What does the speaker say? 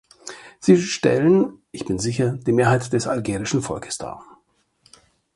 Sie stellen, ich bin sicher, die Mehrheit des algerischen Volkes dar.